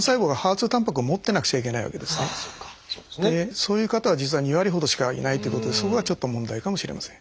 そういう方は実は２割ほどしかいないということでそこがちょっと問題かもしれません。